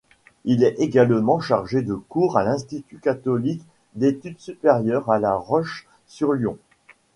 Il est également chargé de cours à l’Institut catholique d’études supérieures à La Roche-sur-Yon.